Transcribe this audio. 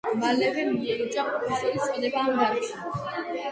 მალევე მიენიჭა პროფესორის წოდება ამ დარგში.